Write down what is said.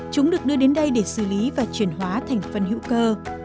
chúng được đưa đến đây để xử lý và chuyển hóa thành phân hữu cơ